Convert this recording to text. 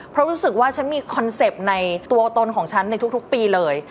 เพราะรู้สึกว่าฉันมีคอนเซ็ปต์ในตัวตนของฉันในทุกปีเลย